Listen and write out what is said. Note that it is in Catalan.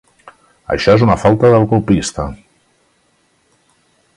Això és una falta del copista.